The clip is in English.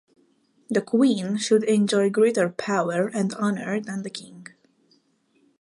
The queen should enjoy greater power and honor than the king.